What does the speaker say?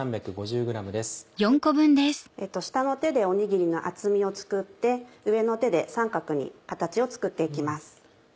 下の手でおにぎりの厚みを作って上の手で三角に形を作って行きます。